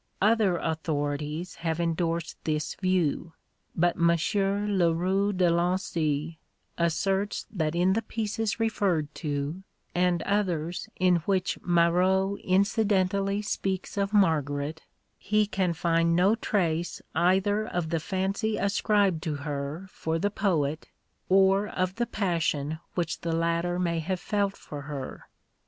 Other authorities have endorsed this view; but M. Le Roux de Lincy asserts that in the pieces referred to, and others in which Marot incidentally speaks of Margaret, he can find no trace either of the fancy ascribed to her for the poet or of the passion which the latter may have felt for her.